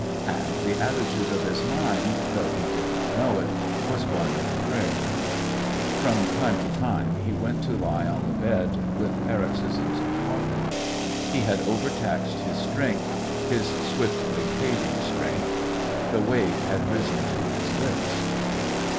And the attitude of his mind, though he did not know it, was one of prayer.... From time to time he went to lie on the bed with paroxysms of coughing. He had overtaxed his strength his swiftly fading strength. The wave had risen to his lips.